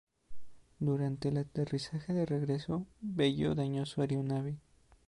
Durante el aterrizaje de regreso, Bello dañó su aeronave.